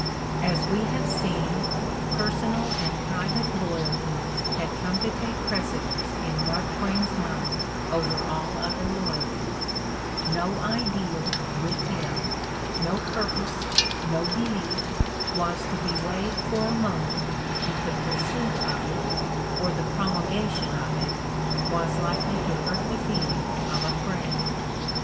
As we have seen, personal and private loyalties had come to take precedence in Mark Twain's mind over all other loyalties ; no ideal, with him, no purpose, no belief, was to be weighed for a moment if the pursuit of it, or the promulgation of it, was likely to hurt the feel ings of a friend.